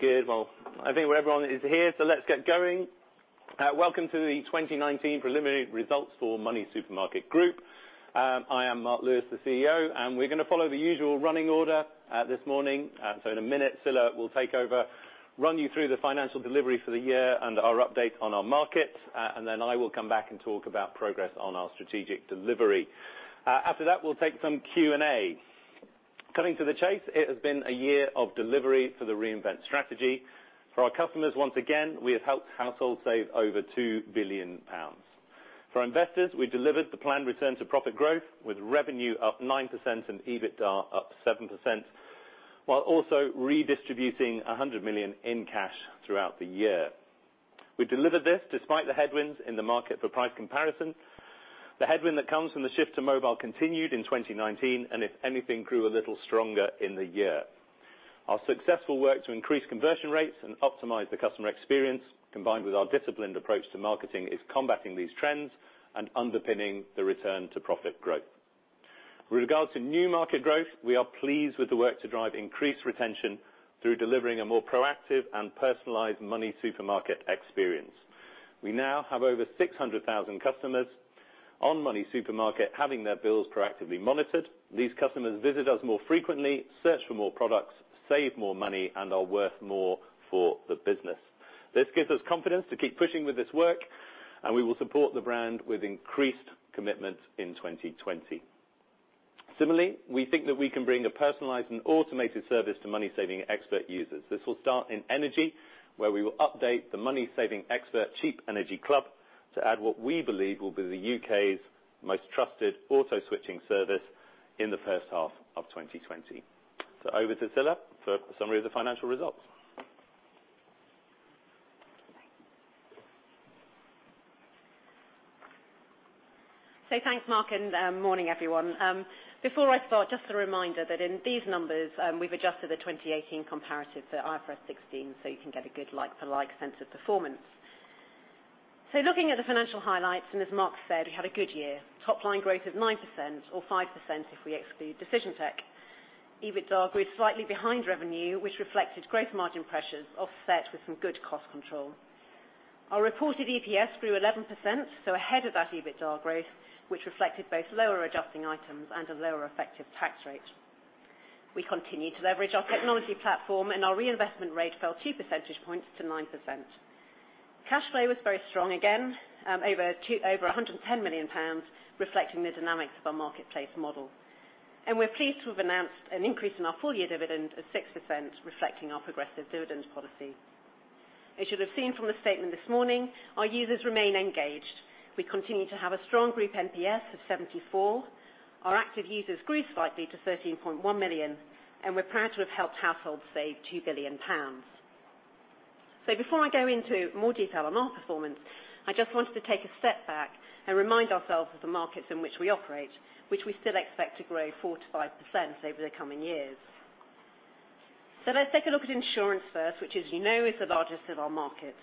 Good. Well, I think everyone is here, let's get going. Welcome to the 2019 Preliminary Results for MoneySuperMarket Group. I am Mark Lewis, the CEO, and we're going to follow the usual running order this morning. In a minute, Scilla will take over, run you through the financial delivery for the year and our update on our market, and then I will come back and talk about progress on our strategic delivery. After that, we'll take some Q&A. Coming to the chase, it has been a year of delivery for the reinvent strategy. For our customers, once again, we have helped households save over 2 billion pounds. For investors, we delivered the planned return to profit growth, with revenue up 9% and EBITDA up 7%, while also redistributing 100 million in cash throughout the year. We delivered this despite the headwinds in the market for price comparison. The headwind that comes from the shift to mobile continued in 2019, and if anything, grew a little stronger in the year. Our successful work to increase conversion rates and optimize the customer experience, combined with our disciplined approach to marketing, is combating these trends and underpinning the return to profit growth. With regards to new market growth, we are pleased with the work to drive increased retention through delivering a more proactive and personalized MoneySuperMarket experience. We now have over 600,000 customers on MoneySuperMarket having their bills proactively monitored. These customers visit us more frequently, search for more products, save more money, and are worth more for the business. This gives us confidence to keep pushing with this work, and we will support the brand with increased commitment in 2020. Similarly, we think that we can bring a personalized and automated service to MoneySavingExpert users. This will start in energy, where we will update the MoneySavingExpert Cheap Energy Club to add what we believe will be the U.K.'s most trusted auto-switching service in the first half of 2020. Over to Scilla for a summary of the financial results. Thanks, Mark, and morning, everyone. Before I start, just a reminder that in these numbers, we've adjusted the 2018 comparative to IFRS 16, so you can get a good like-for-like sense of performance. Looking at the financial highlights, and as Mark said, we had a good year. Top line growth of 9%, or 5% if we exclude Decision Tech. EBITDA grew slightly behind revenue, which reflected growth margin pressures offset with some good cost control. Our reported EPS grew 11%, ahead of that EBITDA growth, which reflected both lower adjusting items and a lower effective tax rate. We continued to leverage our technology platform, our reinvestment rate fell two percentage points to 9%. Cash flow was very strong again, over 110 million pounds, reflecting the dynamics of our marketplace model. We're pleased to have announced an increase in our full-year dividend of 6%, reflecting our progressive dividend policy. As you'll have seen from the statement this morning, our users remain engaged. We continue to have a strong group NPS of 74. Our active users grew slightly to 13.1 million, and we're proud to have helped households save 2 billion pounds. Before I go into more detail on our performance, I just wanted to take a step back and remind ourselves of the markets in which we operate, which we still expect to grow 4%-5% over the coming years. Let's take a look at insurance first, which as you know, is the largest of our markets.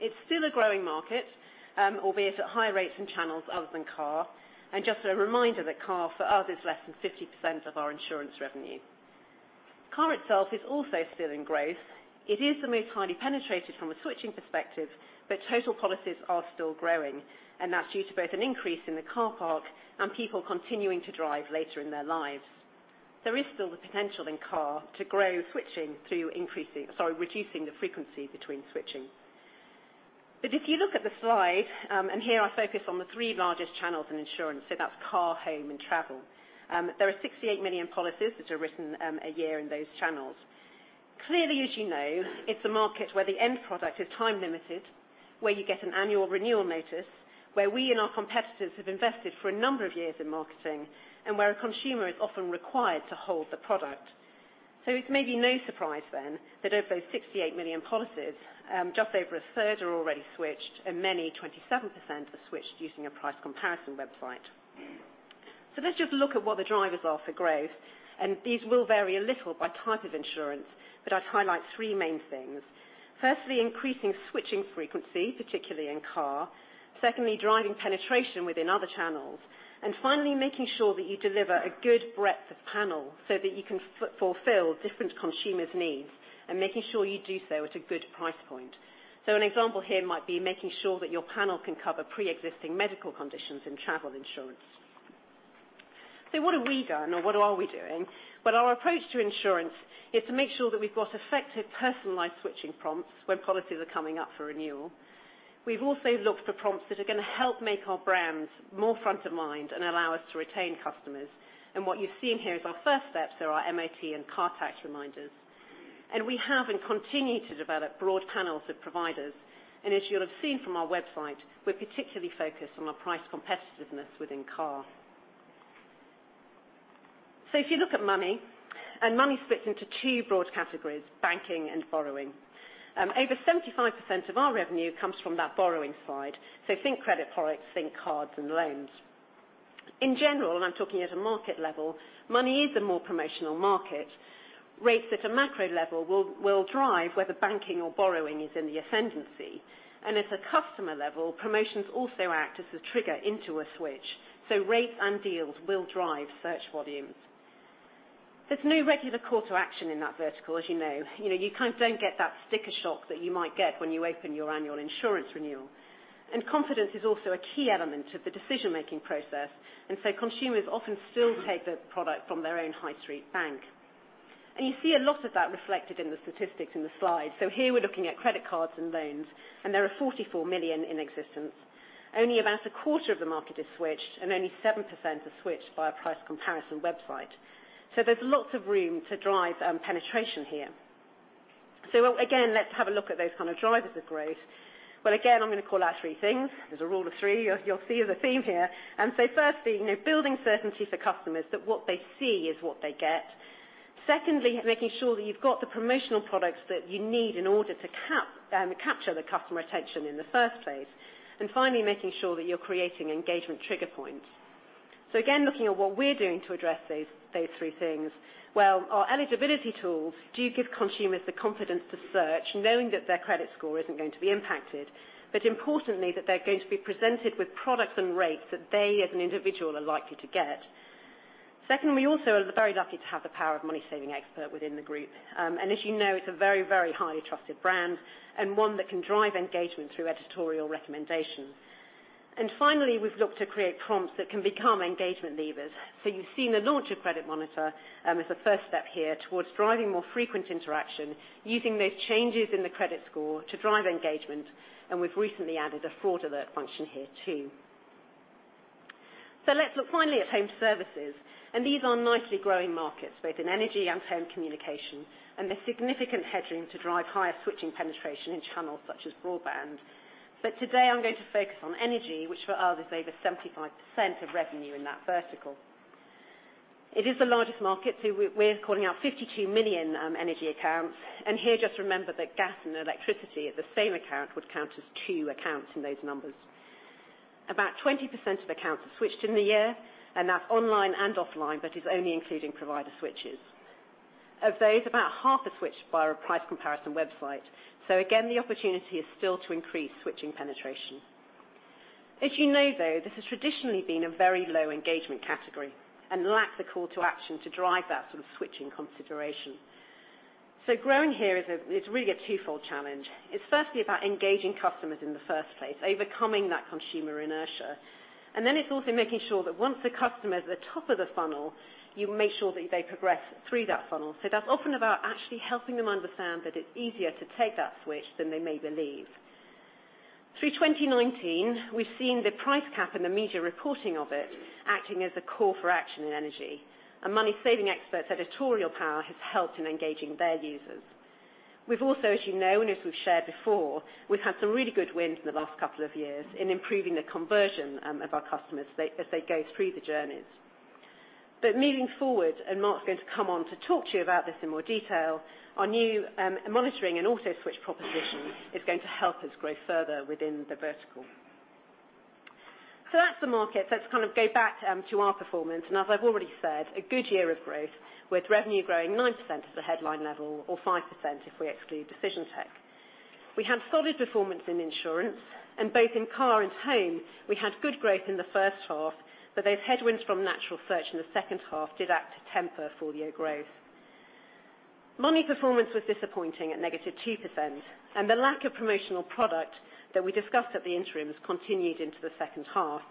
It's still a growing market, albeit at higher rates and channels other than car. Just a reminder that car for us is less than 50% of our insurance revenue. Car itself is also still in growth. It is the most highly penetrated from a switching perspective, total policies are still growing, and that's due to both an increase in the car park and people continuing to drive later in their lives. There is still the potential in car to grow switching through reducing the frequency between switching. If you look at the slide, and here I focus on the three largest channels in insurance, so that's car, home, and travel. There are 68 million policies that are written a year in those channels. Clearly, as you know, it's a market where the end product is time limited, where you get an annual renewal notice, where we and our competitors have invested for a number of years in marketing, and where a consumer is often required to hold the product. It may be no surprise then that of those 68 million policies, just over a third are already switched, and many, 27%, are switched using a price comparison website. Let's just look at what the drivers are for growth, and these will vary a little by type of insurance, but I'd highlight three main things. Firstly, increasing switching frequency, particularly in car. Secondly, driving penetration within other channels. Finally, making sure that you deliver a good breadth of panel so that you can fulfill different consumers' needs, and making sure that you do so at a good price point. An example here might be making sure that your panel can cover pre-existing medical conditions in travel insurance. What have we done, or what are we doing? Well, our approach to insurance is to make sure that we've got effective personalized switching prompts when policies are coming up for renewal. We've also looked for prompts that are going to help make our brand more front of mind and allow us to retain customers. What you've seen here is our first steps. There are our MOT and car tax reminders. We have and continue to develop broad panels of providers. As you'll have seen from our website, we're particularly focused on our price competitiveness within car. If you look at Money, and Money splits into two broad categories, banking and borrowing. Over 75% of our revenue comes from that borrowing side. Think credit products, think cards, and loans. In general, and I'm talking at a market level, Money is a more promotional market. Rates at a macro level will drive whether banking or borrowing is in the ascendancy. At a customer level, promotions also act as a trigger into a switch. Rates and deals will drive search volumes. There's no regular call to action in that vertical, as you know. You kind of don't get that sticker shock that you might get when you open your annual insurance renewal. Confidence is also a key element of the decision-making process. Consumers often still take the product from their own high street bank. You see a lot of that reflected in the statistics in the slide. Here we're looking at credit cards and loans, and there are 44 million in existence. Only about a quarter of the market is switched, and only 7% are switched by a price comparison website. There's lots of room to drive penetration here. Again, let's have a look at those kind of drivers of growth. Well, again, I'm going to call out three things. There's a rule of three. You'll see the theme here. Firstly, building certainty for customers that what they see is what they get. Secondly, making sure that you've got the promotional products that you need in order to capture the customer attention in the first place. Finally, making sure that you're creating engagement trigger points. Again, looking at what we're doing to address those three things. Well, our eligibility tools do give consumers the confidence to search knowing that their credit score isn't going to be impacted. Importantly, that they're going to be presented with products and rates that they, as an individual, are likely to get. We also are very lucky to have the power of MoneySavingExpert within the group. As you know, it's a very, very highly trusted brand and one that can drive engagement through editorial recommendation. Finally, we've looked to create prompts that can become engagement levers. You've seen the launch of Credit Monitor as a first step here towards driving more frequent interaction using those changes in the credit score to drive engagement. We've recently added a fraud alert function here, too. Let's look finally at home services. These are nicely growing markets, both in energy and home communication, and there's significant headroom to drive higher switching penetration in channels such as broadband. Today I'm going to focus on energy, which for us is over 75% of revenue in that vertical. It is the largest market. We're calling out 52 million energy accounts. Here, just remember that gas and electricity at the same account would count as two accounts in those numbers. About 20% of accounts are switched in the year, and that's online and offline, but is only including provider switches. Of those about half are switched via a price comparison website. Again, the opportunity is still to increase switching penetration. As you know, though, this has traditionally been a very low engagement category and lacks a call to action to drive that sort of switching consideration. Growing here is really a twofold challenge. It's firstly about engaging customers in the first place, overcoming that consumer inertia. It's also making sure that once the customer is at the top of the funnel, you make sure that they progress through that funnel. That's often about actually helping them understand that it's easier to take that switch than they may believe. Through 2019, we've seen the price cap and the media reporting of it acting as a call for action in energy. MoneySavingExpert's editorial power has helped in engaging their users. We've also, as you know and as we've shared before, we've had some really good wins in the last couple of years in improving the conversion of our customers as they go through the journeys. Moving forward, and Mark's going to come on to talk to you about this in more detail, our new monitoring and auto switch proposition is going to help us grow further within the vertical. That's the market. Let's go back to our performance. As I've already said, a good year of growth with revenue growing 9% at the headline level or 5% if we exclude Decision Tech. We had solid performance in insurance and both in Car and home we had good growth in the first half, but those headwinds from natural search in the second half did act to temper full year growth. Money performance was disappointing at -2% and the lack of promotional product that we discussed at the interims continued into the second half.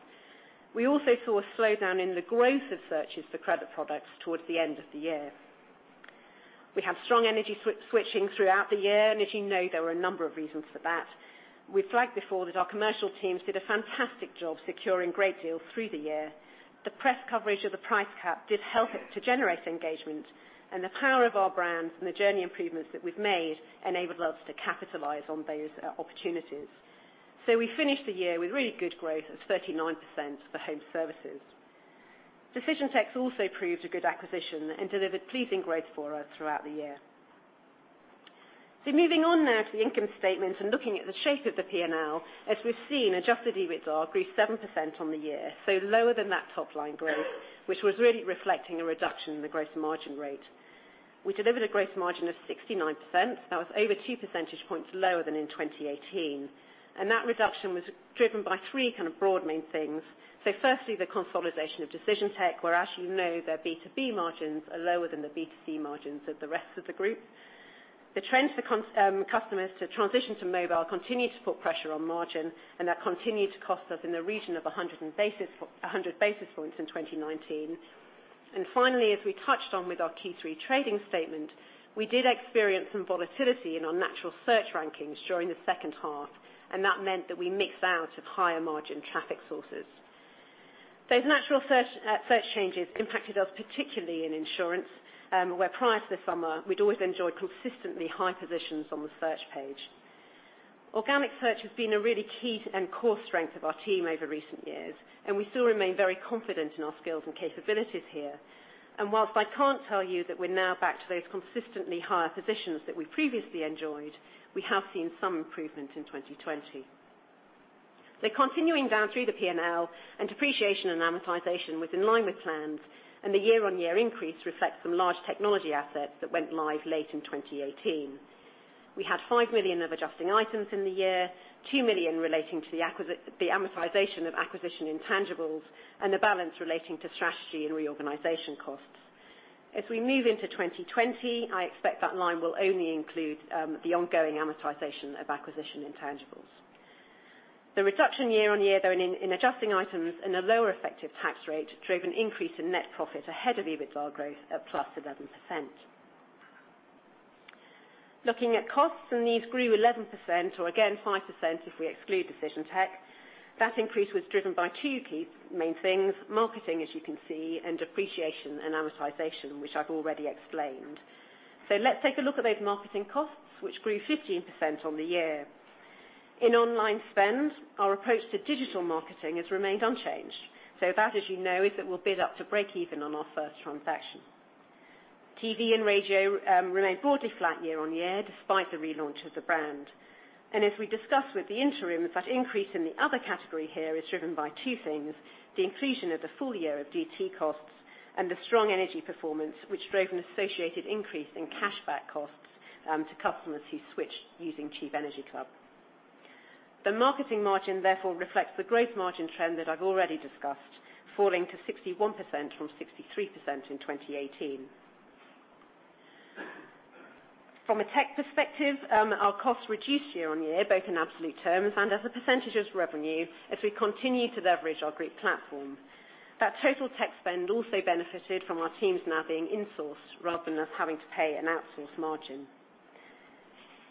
We also saw a slowdown in the growth of searches for credit products towards the end of the year. We had strong energy switching throughout the year, and as you know, there were a number of reasons for that. We've flagged before that our commercial teams did a fantastic job securing great deals through the year. The press coverage of the price cap did help it to generate engagement, and the power of our brands and the journey improvements that we've made enabled us to capitalize on those opportunities. We finished the year with really good growth at 39% for home services. Decision Tech also proved a good acquisition and delivered pleasing growth for us throughout the year. Moving on now to the income statement and looking at the shape of the P&L. As we've seen, adjusted EBITDA grew 7% on the year, so lower than that top line growth, which was really reflecting a reduction in the growth margin rate. We delivered a growth margin of 69%. That was over two percentage points lower than in 2018. That reduction was driven by three broad main things. Firstly, the consolidation of Decision Tech, where as you know, their B2B margins are lower than the B2C margins of the rest of the group. The trends for customers to transition to mobile continued to put pressure on margin, that continued to cost us in the region of 100 basis points in 2019. Finally, as we touched on with our Q3 trading statement, we did experience some volatility in our natural search rankings during the second half, that meant that we missed out of higher margin traffic sources. Those natural search changes impacted us, particularly in insurance, where prior to the summer, we'd always enjoyed consistently high positions on the search page. Organic search has been a really key and core strength of our team over recent years, and we still remain very confident in our skills and capabilities here. Whilst I can't tell you that we're now back to those consistently higher positions that we previously enjoyed, we have seen some improvement in 2020. Continuing down through the P&L, depreciation and amortization was in line with plans, and the year-on-year increase reflects some large technology assets that went live late in 2018. We had 5 million of adjusting items in the year, 2 million relating to the amortization of acquisition intangibles, and the balance relating to strategy and reorganization costs. As we move into 2020, I expect that line will only include the ongoing amortization of acquisition intangibles. The reduction year-on-year, though, in adjusting items and a lower effective tax rate drove an increase in net profit ahead of EBITDA growth at plus 11%. Looking at costs, and these grew 11%, or again, 5% if we exclude Decision Tech. That increase was driven by two key main things, marketing, as you can see, and depreciation and amortization, which I've already explained. Let's take a look at those marketing costs, which grew 15% on the year. In online spend, our approach to digital marketing has remained unchanged. That, as you know, is that we'll build up to break even on our first transaction. TV and radio remain broadly flat year on year, despite the relaunch of the brand. As we discussed with the interim, that increase in the other category here is driven by two things, the inclusion of the full year of DT costs and the strong energy performance, which drove an associated increase in cashback costs to customers who switched using Cheap Energy Club. The marketing margin, therefore, reflects the growth margin trend that I've already discussed, falling to 61% from 63% in 2018. From a tech perspective, our costs reduced year on year, both in absolute terms and as a percentage of revenue, as we continue to leverage our group platform. That total tech spend also benefited from our teams now being insourced rather than us having to pay an outsource margin.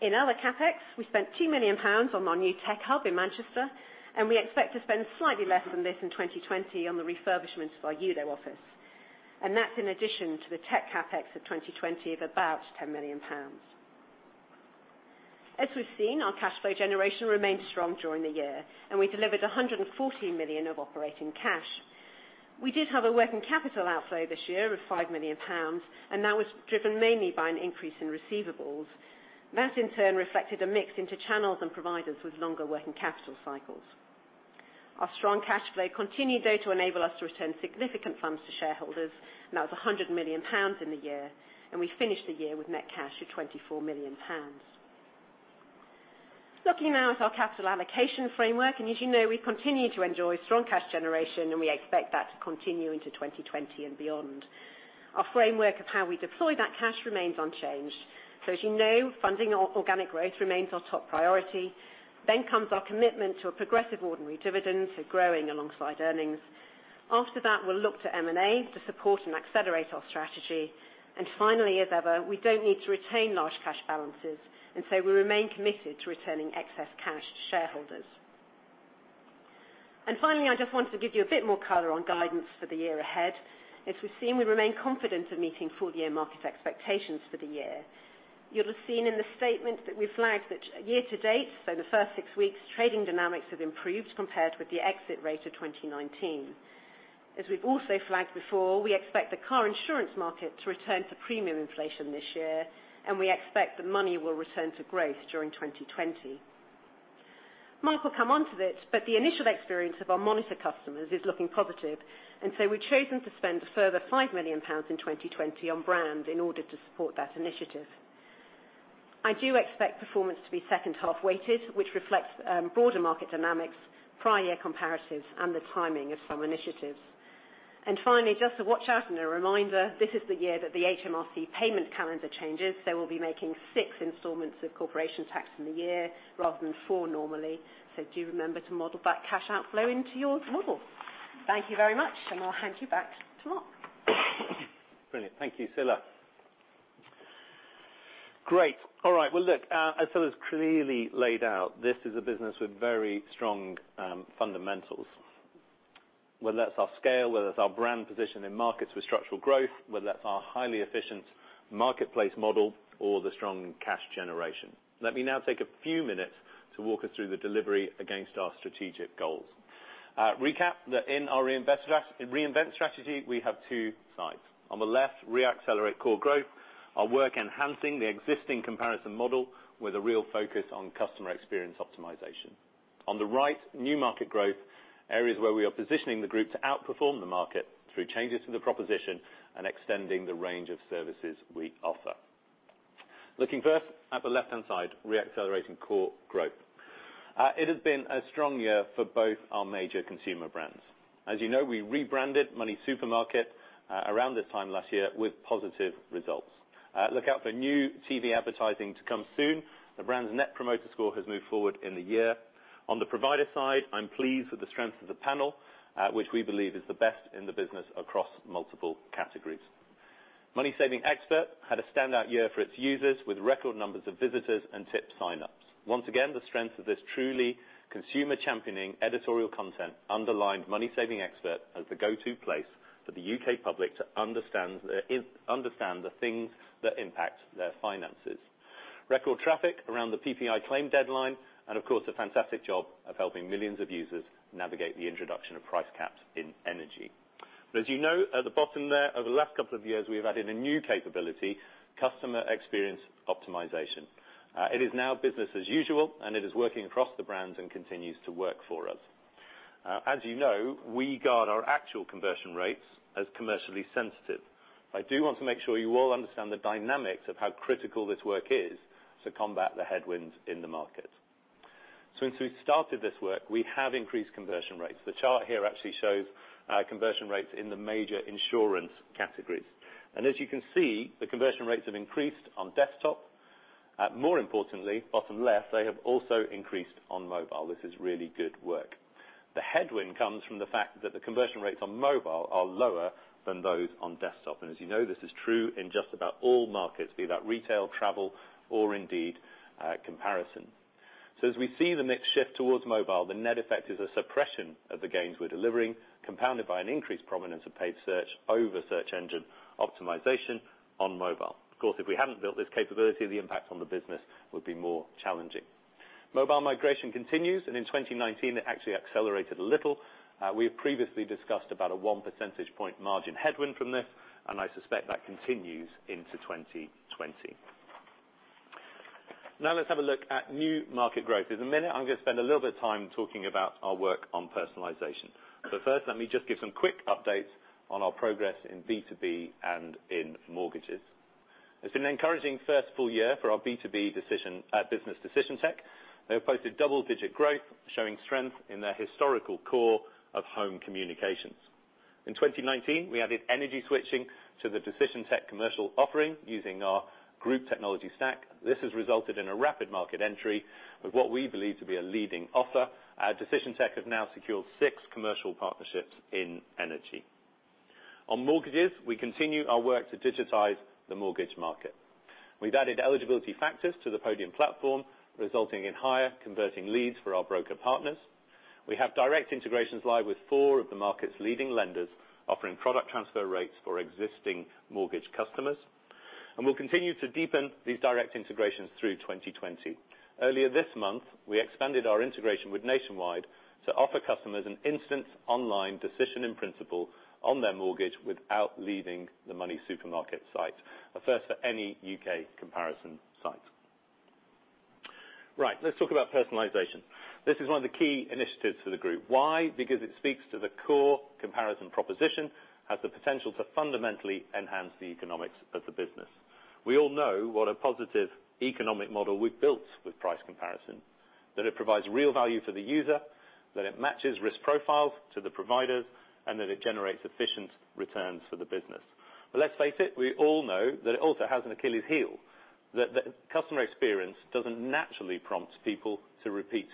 In our CapEx, we spent 2 million pounds on our new tech hub in Manchester, and we expect to spend slightly less than this in 2020 on the refurbishment of our Ewloe office. That's in addition to the tech CapEx of 2020 of about 10 million pounds. As we've seen, our cash flow generation remained strong during the year, and we delivered 140 million of operating cash. We did have a working capital outflow this year of 5 million pounds, and that was driven mainly by an increase in receivables. That in turn reflected a mix into channels and providers with longer working capital cycles. Our strong cash flow continued, though, to enable us to return significant funds to shareholders, and that was 100 million pounds in the year, and we finished the year with net cash of 24 million pounds. Looking now at our capital allocation framework, as you know, we continue to enjoy strong cash generation, we expect that to continue into 2020 and beyond. Our framework of how we deploy that cash remains unchanged. As you know, funding our organic growth remains our top priority. Comes our commitment to a progressive ordinary dividend, so growing alongside earnings. After that, we'll look to M&A to support and accelerate our strategy. Finally, as ever, we don't need to retain large cash balances, we remain committed to returning excess cash to shareholders. Finally, I just wanted to give you a bit more color on guidance for the year ahead. As we've seen, we remain confident of meeting full-year market expectations for the year. You'll have seen in the statement that we flagged that year to date, so the first six weeks, trading dynamics have improved compared with the exit rate of 2019. We've also flagged before, we expect the car insurance market to return to premium inflation this year, and we expect that Money will return to growth during 2020. Mark will come on to this, the initial experience of our monitor customers is looking positive, we've chosen to spend a further £5 million in 2020 on brand in order to support that initiative. I do expect performance to be second half-weighted, which reflects broader market dynamics, prior year comparatives, and the timing of some initiatives. Finally, just to watch out and a reminder, this is the year that the HMRC payment calendar changes. We'll be making six installments of corporation tax in the year rather than four normally. Do remember to model that cash outflow into your model. Thank you very much, and I'll hand you back to Mark. Brilliant. Thank you, Scilla. Great. All right. Look, as Scilla's clearly laid out, this is a business with very strong fundamentals, whether that's our scale, whether that's our brand position in markets with structural growth, whether that's our highly efficient marketplace model or the strong cash generation. Let me now take a few minutes to walk us through the delivery against our strategic goals. Recap that in our Reinvent Strategy, we have two sides. On the left, Re-accelerate Core Growth, our work enhancing the existing comparison model with a real focus on customer experience optimization. On the right, New Market Growth, areas where we are positioning the group to outperform the market through changes to the proposition and extending the range of services we offer. Looking first at the left-hand side, Re-accelerating Core Growth. It has been a strong year for both our major consumer brands. As you know, we rebranded MoneySuperMarket around this time last year with positive results. Look out for new TV advertising to come soon. The brand's Net Promoter Score has moved forward in the year. On the provider side, I'm pleased with the strength of the panel, which we believe is the best in the business across multiple categories. MoneySavingExpert had a standout year for its users with record numbers of visitors and tip signups. The strength of this truly consumer championing editorial content underlined MoneySavingExpert as the go-to place for the U.K. public to understand the things that impact their finances. Record traffic around the PPI claim deadline, of course, a fantastic job of helping millions of users navigate the introduction of price caps in energy. As you know, at the bottom there, over the last couple of years, we have added a new capability, customer experience optimization. It is now business as usual, and it is working across the brands and continues to work for us. As you know, we guard our actual conversion rates as commercially sensitive. I do want to make sure you all understand the dynamics of how critical this work is to combat the headwinds in the market. Since we started this work, we have increased conversion rates. The chart here actually shows our conversion rates in the major insurance categories. As you can see, the conversion rates have increased on desktop. More importantly, bottom left, they have also increased on mobile. This is really good work. The headwind comes from the fact that the conversion rates on mobile are lower than those on desktop. As you know, this is true in just about all markets, be that retail, travel, or indeed comparison. As we see the mix shift towards mobile, the net effect is a suppression of the gains we're delivering, compounded by an increased prominence of paid search over search engine optimization on mobile. Of course, if we hadn't built this capability, the impact on the business would be more challenging. Mobile migration continues, and in 2019 it actually accelerated a little. We have previously discussed about a one percentage point margin headwind from this, and I suspect that continues into 2020. Let's have a look at new market growth. In a minute, I'm going to spend a little bit of time talking about our work on personalization. First, let me just give some quick updates on our progress in B2B and in mortgages. It's been an encouraging first full year for our B2B business Decision Tech. They have posted double-digit growth, showing strength in their historical core of home communications. In 2019, we added energy switching to the Decision Tech commercial offering using our group technology stack. This has resulted in a rapid market entry with what we believe to be a leading offer. Decision Tech has now secured six commercial partnerships in energy. On mortgages, we continue our work to digitize the mortgage market. We've added eligibility factors to the Podium platform, resulting in higher converting leads for our broker partners. We have direct integrations live with four of the market's leading lenders, offering product transfer rates for existing mortgage customers. We'll continue to deepen these direct integrations through 2020. Earlier this month, we expanded our integration with Nationwide to offer customers an instant online decision in principle on their mortgage without leaving the MoneySuperMarket site. A first for any U.K. comparison site. Right. Let's talk about personalization. This is one of the key initiatives for the group. Why? It speaks to the core comparison proposition, has the potential to fundamentally enhance the economics of the business. We all know what a positive economic model we've built with price comparison, that it provides real value to the user, that it matches risk profiles to the providers, and that it generates efficient returns for the business. Let's face it, we all know that it also has an Achilles heel, that the customer experience doesn't naturally prompt people to repeat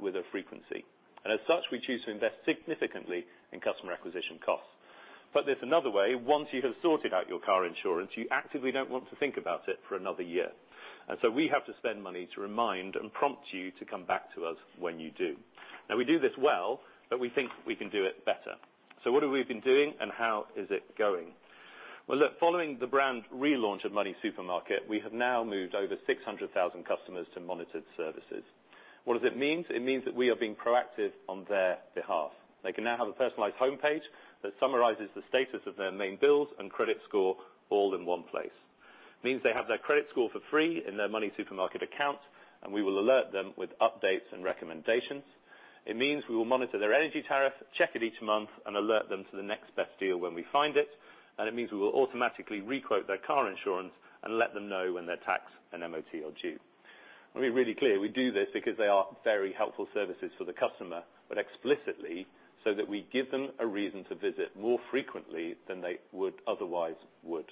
with a frequency. As such, we choose to invest significantly in customer acquisition costs. There's another way. Once you have sorted out your car insurance, you actively don't want to think about it for another year. We have to spend money to remind and prompt you to come back to us when you do. We do this well, but we think we can do it better. What have we been doing and how is it going? Following the brand relaunch of MoneySuperMarket, we have now moved over 600,000 customers to monitored services. What does it mean? It means that we are being proactive on their behalf. They can now have a personalized homepage that summarizes the status of their main bills and credit score all in one place. It means they have their credit score for free in their MoneySuperMarket account, and we will alert them with updates and recommendations. It means we will monitor their energy tariff, check it each month, and alert them to the next best deal when we find it. It means we will automatically re-quote their car insurance and let them know when their tax and MOT are due. Let me be really clear. We do this because they are very helpful services for the customer, but explicitly so that we give them a reason to visit more frequently than they otherwise would.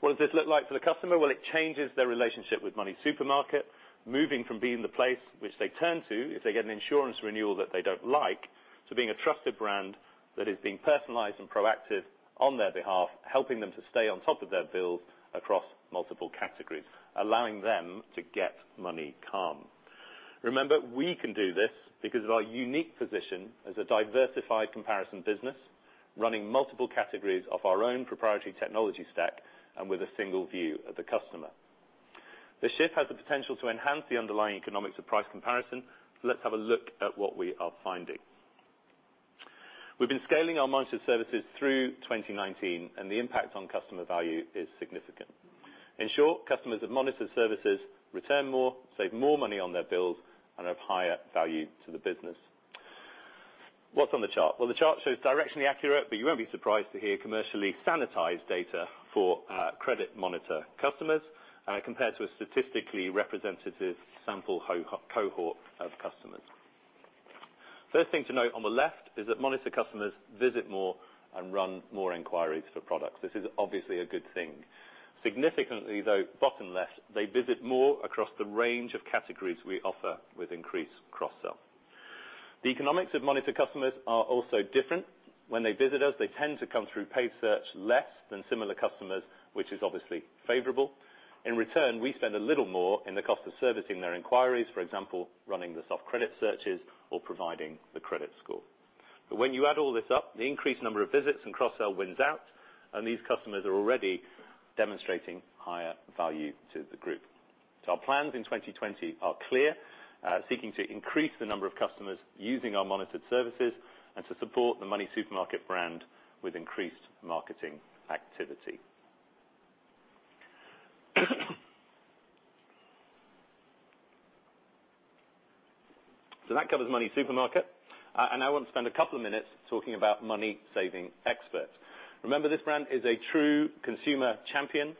What does this look like for the customer? Well, it changes their relationship with MoneySuperMarket, moving from being the place which they turn to if they get an insurance renewal that they don't like, to being a trusted brand that is being personalized and proactive on their behalf, helping them to stay on top of their bills across multiple categories, allowing them to get Get Money Calm. Remember, we can do this because of our unique position as a diversified comparison business, running multiple categories off our own proprietary technology stack and with a single view of the customer. The shift has the potential to enhance the underlying economics of price comparison. Let's have a look at what we are finding. We've been scaling our monitored services through 2019, and the impact on customer value is significant. In short, customers of monitored services return more, save more money on their bills, and have higher value to the business. What's on the chart? Well, the chart shows directionally accurate, but you won't be surprised to hear commercially sanitized data for Credit Monitor customers, compared to a statistically representative sample cohort of customers. First thing to note on the left is that monitor customers visit more and run more inquiries for products. This is obviously a good thing. Significantly, though, bottom left, they visit more across the range of categories we offer with increased cross-sell. The economics of monitor customers are also different. When they visit us, they tend to come through paid search less than similar customers, which is obviously favorable. In return, we spend a little more in the cost of servicing their inquiries, for example, running the soft credit searches or providing the credit score. When you add all this up, the increased number of visits and cross-sell wins out, and these customers are already demonstrating higher value to the group. Our plans in 2020 are clear, seeking to increase the number of customers using our monitored services and to support the MoneySuperMarket brand with increased marketing activity. That covers MoneySuperMarket. I want to spend a couple of minutes talking about MoneySavingExpert. Remember, this brand is a true consumer champion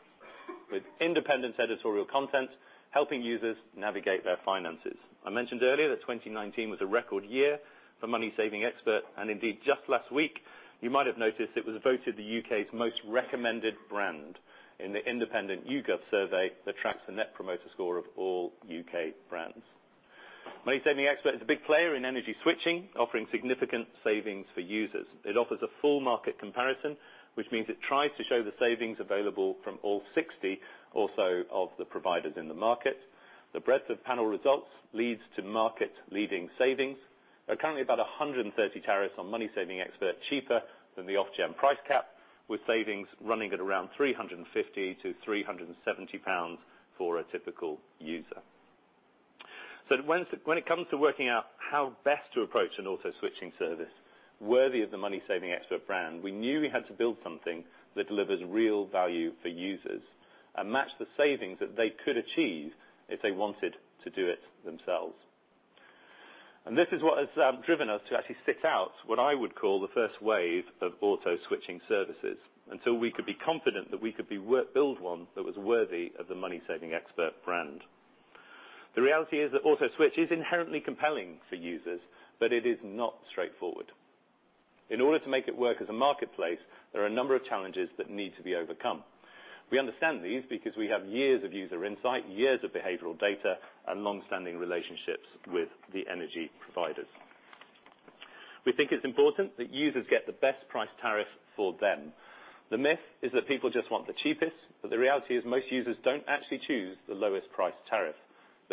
with independent editorial content, helping users navigate their finances. I mentioned earlier that 2019 was a record year for MoneySavingExpert, and indeed, just last week, you might have noticed it was voted the U.K.'s most recommended brand in the independent YouGov survey that tracks the Net Promoter Score of all U.K. brands. MoneySavingExpert is a big player in energy switching, offering significant savings for users. It offers a full market comparison, which means it tries to show the savings available from all 60 or so of the providers in the market. The breadth of panel results leads to market-leading savings. There are currently about 130 tariffs on MoneySavingExpert cheaper than the Ofgem price cap, with savings running at around 350-370 pounds for a typical user. When it comes to working out how best to approach an auto-switching service worthy of the MoneySavingExpert brand, we knew we had to build something that delivers real value for users and match the savings that they could achieve if they wanted to do it themselves. This is what has driven us to actually sit out what I would call the first wave of auto-switching services until we could be confident that we could build one that was worthy of the MoneySavingExpert brand. The reality is that auto-switch is inherently compelling for users, but it is not straightforward. In order to make it work as a marketplace, there are a number of challenges that need to be overcome. We understand these because we have years of user insight, years of behavioral data, and long-standing relationships with the energy providers. We think it's important that users get the best price tariff for them. The myth is that people just want the cheapest, but the reality is most users don't actually choose the lowest price tariff.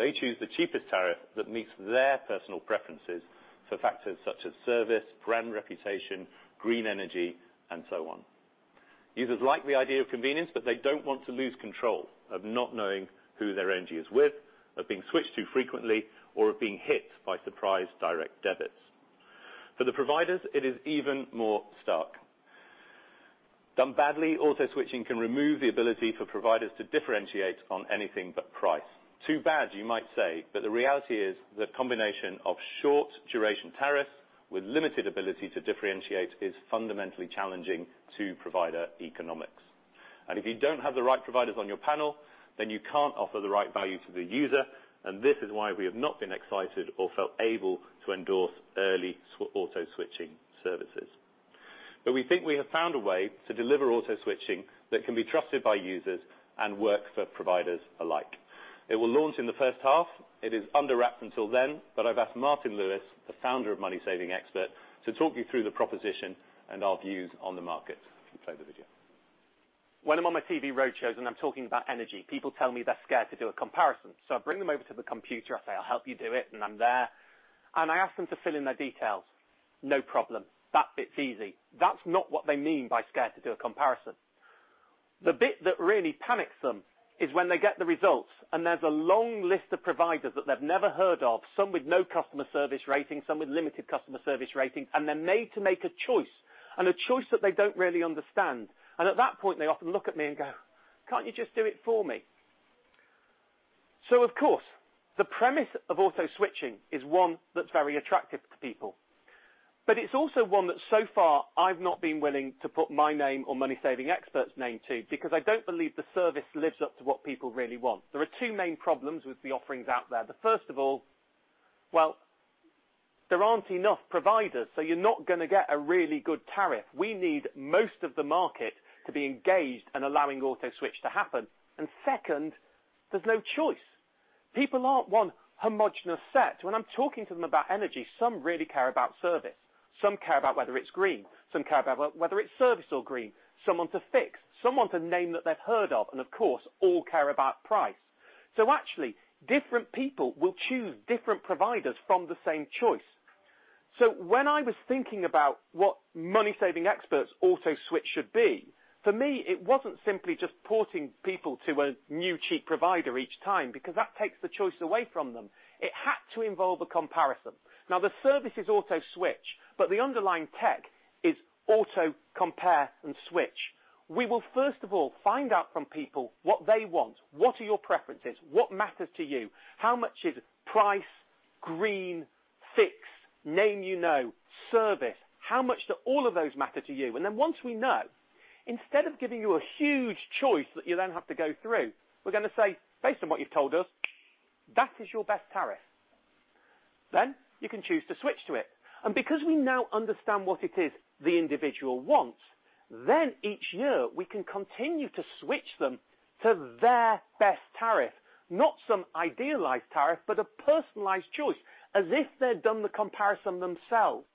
They choose the cheapest tariff that meets their personal preferences for factors such as service, brand reputation, green energy, and so on. Users like the idea of convenience, but they don't want to lose control of not knowing who their energy is with, of being switched too frequently, or of being hit by surprise direct debits. For the providers, it is even more stark. Done badly, auto-switching can remove the ability for providers to differentiate on anything but price. Too bad you might say, but the reality is the combination of short duration tariffs with limited ability to differentiate is fundamentally challenging to provider economics. If you don't have the right providers on your panel, then you can't offer the right value to the user, and this is why we have not been excited or felt able to endorse early auto-switching services. We think we have found a way to deliver auto-switching that can be trusted by users and work for providers alike. It will launch in the first half. It is under wraps until then, but I've asked Martin Lewis, the founder of MoneySavingExpert, to talk you through the proposition and our views on the market. You can play the video. When I'm on my TV roadshows and I'm talking about energy, people tell me they're scared to do a comparison. I bring them over to the computer, I say, "I'll help you do it," and I'm there, and I ask them to fill in their details. No problem. That bit's easy. That's not what they mean by scared to do a comparison. The bit that really panics them is when they get the results and there's a long list of providers that they've never heard of, some with no customer service ratings, some with limited customer service ratings, and they're made to make a choice, and a choice that they don't really understand. At that point, they often look at me and go, "Can't you just do it for me?" Of course, the premise of auto-switching is one that's very attractive to people. It's also one that so far I've not been willing to put my name or MoneySavingExpert's name to because I don't believe the service lives up to what people really want. There are 2 main problems with the offerings out there. The first of all, there aren't enough providers, you're not going to get a really good tariff. We need most of the market to be engaged and allowing auto-switch to happen. Second, there's no choice. People aren't one homogenous set. When I'm talking to them about energy, some really care about service, some care about whether it's green, some care about whether it's service or green, some want a fixed, some want a name that they've heard of, and of course, all care about price. Actually, different people will choose different providers from the same choice. When I was thinking about what MoneySavingExpert's auto-switch should be, for me, it wasn't simply just porting people to a new cheap provider each time, because that takes the choice away from them. It had to involve a comparison. The service is auto-switch, but the underlying tech is auto compare and switch. We will first of all find out from people what they want. What are your preferences? What matters to you? How much is price, green, fixed, name you know, service? How much do all of those matter to you? Once we know, instead of giving you a huge choice that you then have to go through, we're going to say, based on what you've told us that is your best tariff. You can choose to switch to it. Because we now understand what it is the individual wants, then each year we can continue to switch them to their best tariff, not some idealized tariff, but a personalized choice, as if they'd done the comparison themselves.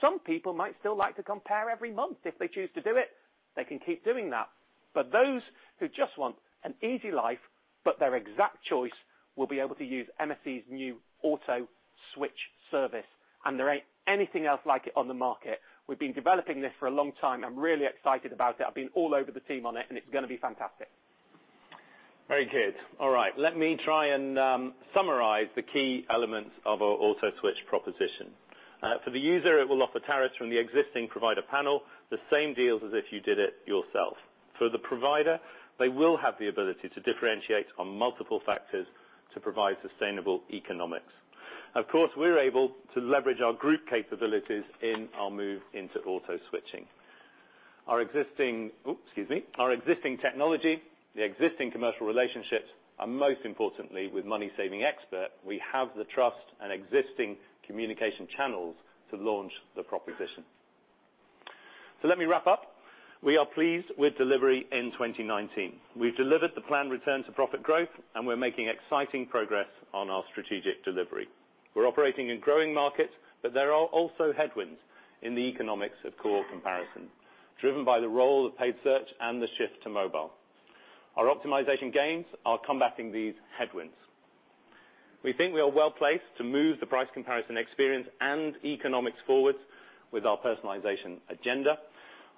Some people might still like to compare every month. If they choose to do it, they can keep doing that. Those who just want an easy life but their exact choice will be able to use MSE's new auto-switch service, and there ain't anything else like it on the market. We've been developing this for a long time. I'm really excited about it. I've been all over the team on it, and it's going to be fantastic. Very good. All right. Let me try and summarize the key elements of our auto-switch proposition. For the user, it will offer tariffs from the existing provider panel, the same deals as if you did it yourself. For the provider, they will have the ability to differentiate on multiple factors to provide sustainable economics. Of course, we're able to leverage our group capabilities in our move into auto switching. Our existing technology, the existing commercial relationships, and most importantly, with MoneySavingExpert, we have the trust and existing communication channels to launch the proposition. Let me wrap up. We are pleased with delivery in 2019. We've delivered the planned return to profit growth, and we're making exciting progress on our strategic delivery. We're operating in growing markets, but there are also headwinds in the economics of core comparison, driven by the role of paid search and the shift to mobile. Our optimization gains are combating these headwinds. We think we are well-placed to move the price comparison experience and economics forward with our personalization agenda.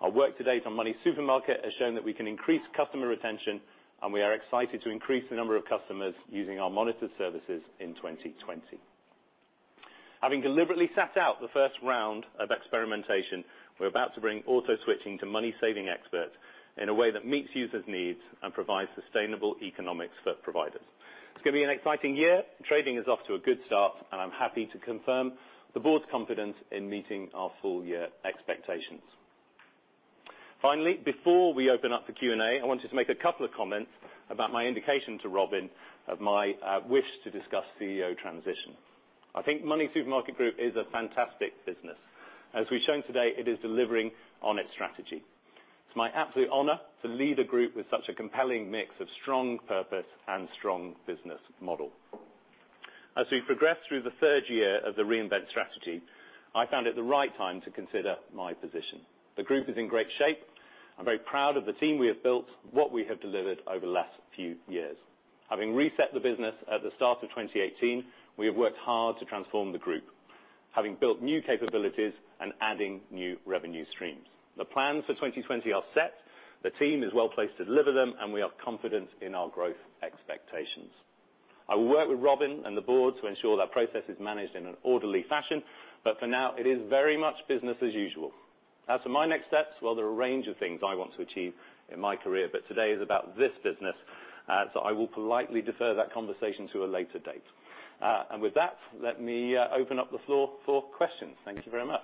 Our work to date on MoneySuperMarket has shown that we can increase customer retention, and we are excited to increase the number of customers using our monitored services in 2020. Having deliberately sat out the first round of experimentation, we're about to bring auto switching to MoneySavingExpert in a way that meets users' needs and provides sustainable economics for providers. It's going to be an exciting year. Trading is off to a good start. I'm happy to confirm the board's confidence in meeting our full-year expectations. Finally, before we open up for Q&A, I wanted to make a couple of comments about my indication to Robin of my wish to discuss CEO transition. I think MoneySuperMarket Group is a fantastic business. As we've shown today, it is delivering on its strategy. It's my absolute honor to lead a group with such a compelling mix of strong purpose and strong business model. As we progress through the third year of the reinvent strategy, I found it the right time to consider my position. The group is in great shape. I'm very proud of the team we have built, what we have delivered over the last few years. Having reset the business at the start of 2018, we have worked hard to transform the group, having built new capabilities and adding new revenue streams. The plans for 2020 are set. The team is well placed to deliver them, and we are confident in our growth expectations. I will work with Robin and the board to ensure that process is managed in an orderly fashion. For now, it is very much business as usual. As for my next steps, well, there are a range of things I want to achieve in my career. Today is about this business. I will politely defer that conversation to a later date. With that, let me open up the floor for questions. Thank you very much.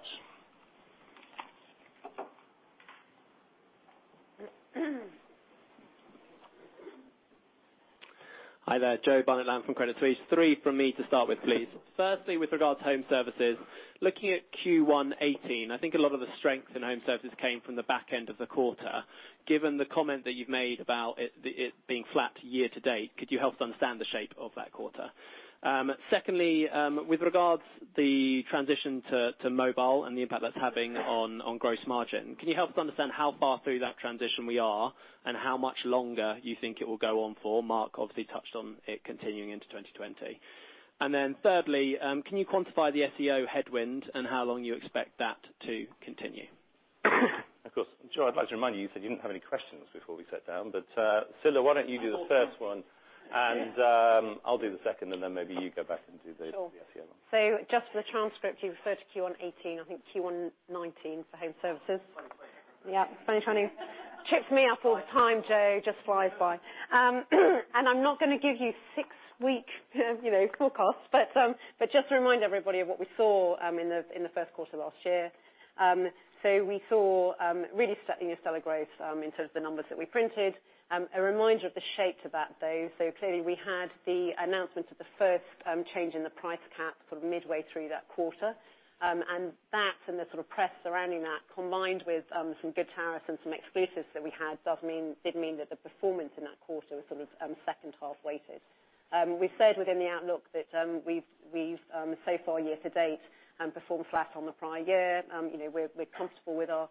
Hi there, Joe Barnet-Lamb from Credit Suisse. three from me to start with, please. With regards to Home Services, looking at Q1 2018, I think a lot of the strength in Home Services came from the back end of the quarter. Given the comment that you've made about it being flat year to date, could you help us understand the shape of that quarter? Secondly, with regards the transition to mobile and the impact that's having on gross margin, can you help us understand how far through that transition we are and how much longer you think it will go on for? Mark obviously touched on it continuing into 2020. Thirdly, can you quantify the SEO headwind and how long you expect that to continue? Of course. Joe, I'd like to remind you said you didn't have any questions before we sat down. Scilla, why don't you do the first one, and I'll do the second, and then maybe you go back and do the SEO one. Sure. Just for the transcript, you referred to Q1 2018. I think Q1 2019 for Home services. Funny way. Yeah. Funny how you tripped me up all the time, Joe. Just flies by. I'm not going to give you six-week forecasts. Just to remind everybody of what we saw in the first quarter last year. We saw really stellar growth in terms of the numbers that we printed. A reminder of the shape to that, though. Clearly we had the announcement of the first change in the price cap sort of midway through that quarter. That, and the sort of press surrounding that, combined with some good tariffs and some exclusives that we had did mean that the performance in that quarter was sort of second half weighted. We said within the outlook that we've so far year to date performed flat on the prior year. We're comfortable with our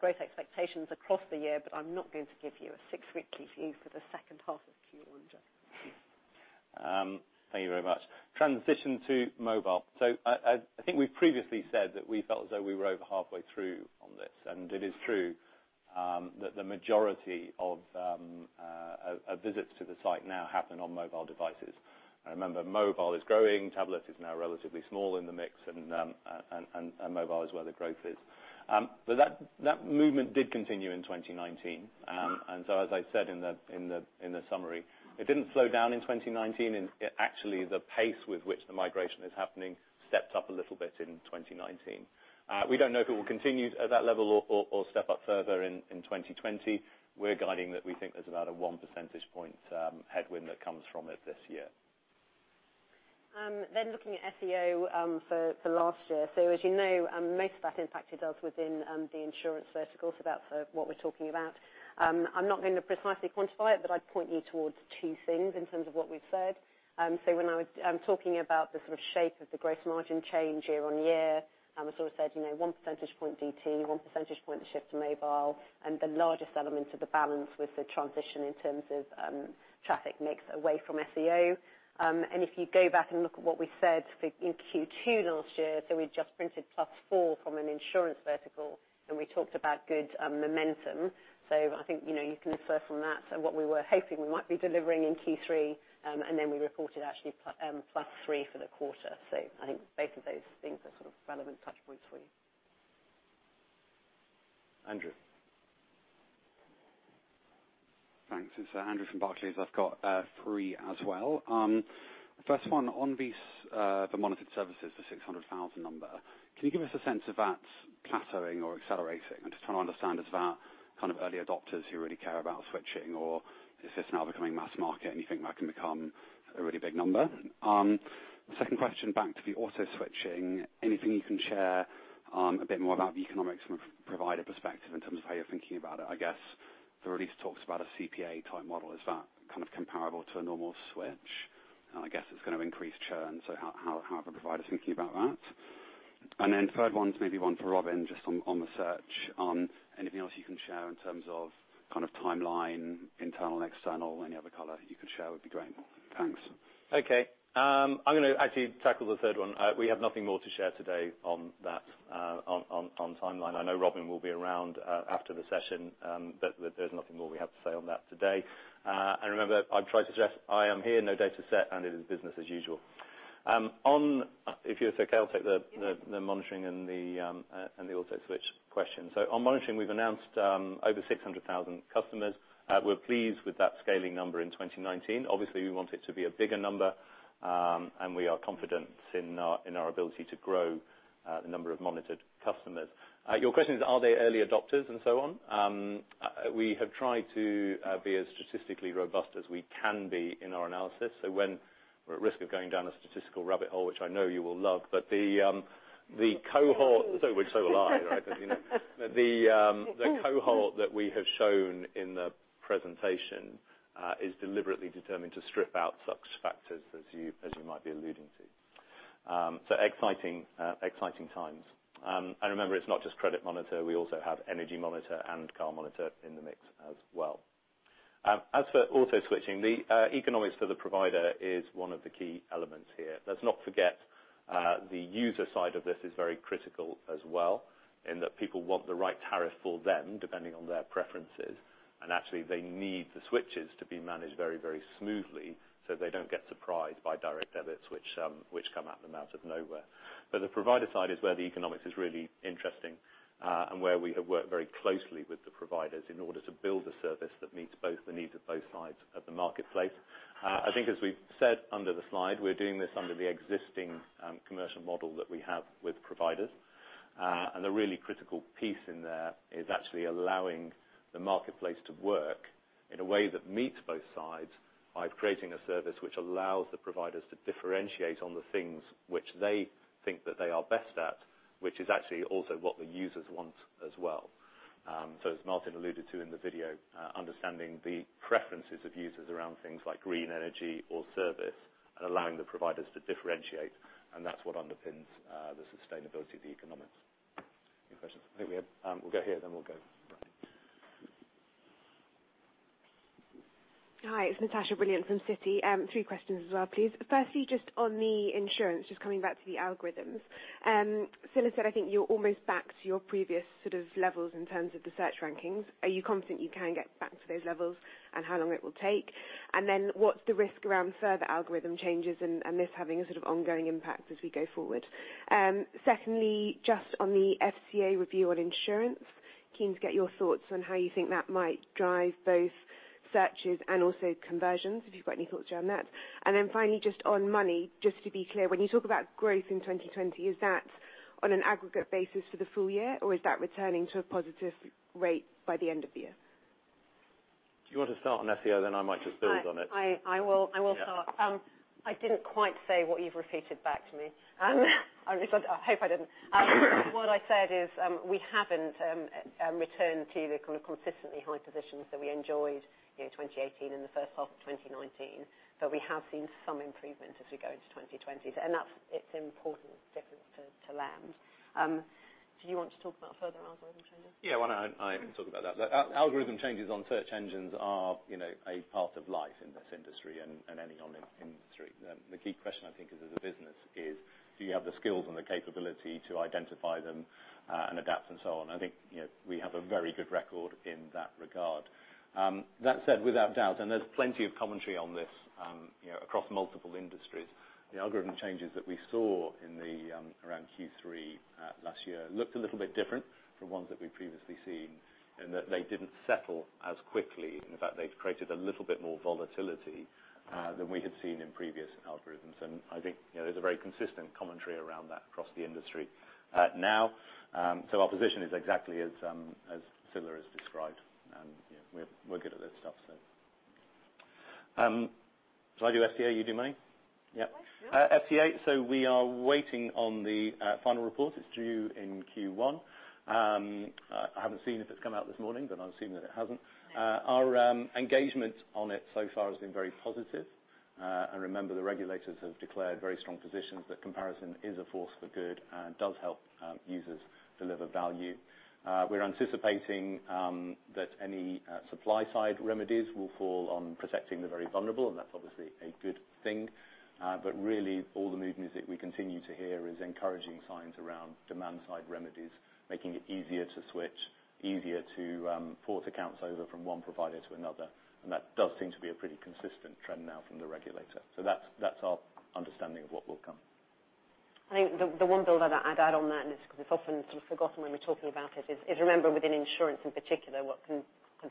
growth expectations across the year, but I'm not going to give you a six-week preview for the second half of Q1, Joe. Thank you very much. Transition to mobile. I think we've previously said that we felt as though we were over halfway through on this. It is true that the majority of visits to the site now happen on mobile devices. Remember, mobile is growing. Tablet is now relatively small in the mix, and mobile is where the growth is. That movement did continue in 2019. As I said in the summary, it didn't slow down in 2019. Actually, the pace with which the migration is happening stepped up a little bit in 2019. We don't know if it will continue at that level or step up further in 2020. We're guiding that we think there's about a one percentage point headwind that comes from it this year. Looking at SEO for last year. As you know, most of that impacted us within the insurance vertical, so that's what we're talking about. I'm not going to precisely quantify it, but I'd point you towards two things in terms of what we've said. When I'm talking about the sort of shape of the gross margin change year-over-year, I sort of said one percentage point DT, one percentage point the shift to mobile, and the largest element of the balance was the transition in terms of traffic mix away from SEO. If you go back and look at what we said in Q2 last year, we just printed +4% from an insurance vertical, and we talked about good momentum. I think you can infer from that what we were hoping we might be delivering in Q3, and then we reported actually +3% for the quarter. I think both of those things are sort of relevant touch points for you. Andrew. Thanks. It's Andrew from Barclays. I've got three as well. First one, on the monitored services, the 600,000 number, can you give us a sense of that plateauing or accelerating? I'm just trying to understand, is that kind of early adopters who really care about switching, or is this now becoming mass market and you think that can become a really big number? Second question back to the auto switching, anything you can share a bit more about the economics from a provider perspective in terms of how you're thinking about it? I guess the release talks about a CPA type model. Is that kind of comparable to a normal switch? I guess it's going to increase churn. How are the providers thinking about that? Third one's maybe one for Robin, just on the search. Anything else you can share in terms of timeline, internal and external, any other color you can share would be great. Thanks. Okay. I'm going to actually tackle the third one. We have nothing more to share today on that, on timeline. I know Robin will be around after the session, there's nothing more we have to say on that today. Remember, I try to stress I am here, no data set, and it is business as usual. If you're okay, I'll take the monitoring and the auto switch question. On monitoring, we've announced over 600,000 customers. We're pleased with that scaling number in 2019. Obviously, we want it to be a bigger number, and we are confident in our ability to grow the number of monitored customers. Your question is, are they early adopters and so on? We have tried to be as statistically robust as we can be in our analysis. When we're at risk of going down a statistical rabbit hole, which I know you will love. The cohort that we have shown in the presentation, is deliberately determined to strip out such factors as you might be alluding to. Exciting times. Remember, it's not just Credit Monitor, we also have Energy Monitor and Car Monitor in the mix as well. As for auto switching, the economics for the provider is one of the key elements here. Let's not forget, the user side of this is very critical as well, in that people want the right tariff for them, depending on their preferences. Actually, they need the switches to be managed very smoothly so they don't get surprised by direct debits which come at them out of nowhere. The provider side is where the economics is really interesting, and where we have worked very closely with the providers in order to build a service that meets both the needs of both sides of the marketplace. I think as we've said under the slide, we're doing this under the existing commercial model that we have with providers. The really critical piece in there is actually allowing the marketplace to work in a way that meets both sides by creating a service which allows the providers to differentiate on the things which they think that they are best at, which is actually also what the users want as well. As Martin alluded to in the video, understanding the preferences of users around things like green energy or service and allowing the providers to differentiate, and that's what underpins the sustainability of the economics. Any questions? We'll go here, then we'll go. Hi, it's Natasha Brilliant from Citi. Three questions as well, please. Firstly, just on the insurance, just coming back to the algorithms. [Natasha] said I think you're almost back to your previous sort of levels in terms of the search rankings. Are you confident you can get back to those levels, and how long it will take? Then what's the risk around further algorithm changes and this having a sort of ongoing impact as we go forward? Secondly, just on the FCA review on insurance, keen to get your thoughts on how you think that might drive both searches and also conversions, if you've got any thoughts around that. Finally, just on money, just to be clear, when you talk about growth in 2020, is that on an aggregate basis for the full year, or is that returning to a positive rate by the end of the year? Do you want to start on FCA, then I might just build on it? I will start. Yeah. I didn't quite say what you've repeated back to me. I hope I didn't. What I said is we haven't returned to the kind of consistently high positions that we enjoyed in 2018 and the first half of 2019. We have seen some improvement as we go into 2020. It's important difference to land. Do you want to talk about further algorithm changes? Yeah, why don't I talk about that? Algorithm changes on search engines are a part of life in this industry and any online industry. The key question I think as a business is, do you have the skills and the capability to identify them and adapt and so on? I think we have a very good record in that regard. That said, without doubt, and there's plenty of commentary on this across multiple industries, the algorithm changes that we saw around Q3 last year looked a little bit different from ones that we'd previously seen in that they didn't settle as quickly. In fact, they created a little bit more volatility than we had seen in previous algorithms. I think there's a very consistent commentary around that across the industry. Now, our position is exactly as [Natasha] has described, and we're good at this stuff, so. Shall I do FCA, you do money? Yeah. Sure. FCA. We are waiting on the final report. It's due in Q1. I haven't seen if it's come out this morning, but I'm assuming that it hasn't. No. Our engagement on it so far has been very positive. Remember, the regulators have declared very strong positions that comparison is a force for good and does help users deliver value. We're anticipating that any supply side remedies will fall on protecting the very vulnerable, and that's obviously a good thing. Really, all the movements that we continue to hear is encouraging signs around demand side remedies, making it easier to switch, easier to port accounts over from one provider to another, and that does seem to be a pretty consistent trend now from the regulator. That's our understanding of what will come. I think the one build I'd add on that, and it's because it's often sort of forgotten when we're talking about it, is remember within insurance in particular, what can